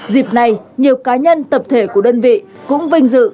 dịp này nhiều cá nhân tập thể của đơn vị cũng vinh dự